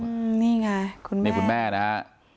อืมนี่ไงคุณแม่นี่คุณแม่นะฮะ